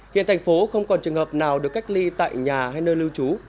hiện thành phố không còn trường hợp nào được cách ly tại nhà hay nơi lưu trú